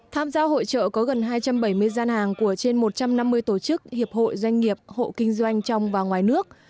tham gia hội trợ có gần hai trăm bảy mươi gian hàng của trên một trăm năm mươi tổ chức hiệp hội doanh nghiệp hộ kinh doanh trong và ngoài nước